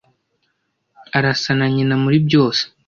Arasa na nyina muri byose.